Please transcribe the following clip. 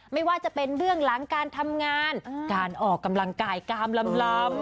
ไม่ว่าจะเป็นเบื้องหลังการทำงานการออกกำลังกายกามลำ